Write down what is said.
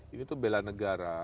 ini tuh bela negara